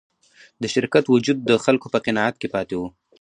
د شرکت وجود د خلکو په قناعت کې پاتې و.